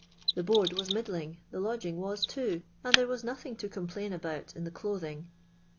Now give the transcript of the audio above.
The bosird was middling, lh<; lodging was too, and tlure was nothing to complain about in the chithing.